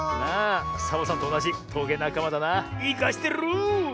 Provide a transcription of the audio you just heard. サボさんとおなじトゲなかまだな。いかしてる！